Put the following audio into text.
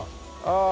ああ。